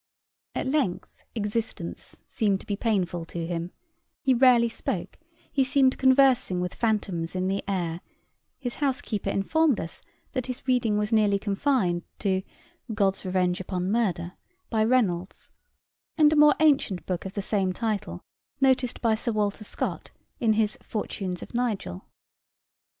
At length existence seemed to be painful to him; he rarely spoke, he seemed conversing with phantoms in the air, his housekeeper informed us that his reading was nearly confined to God's Revenge upon Murder, by Reynolds, and a more ancient book of the same title, noticed by Sir Walter Scott in his Fortunes of Nigel.